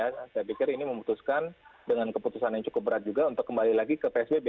saya pikir ini memutuskan dengan keputusan yang cukup berat juga untuk kembali lagi ke psbb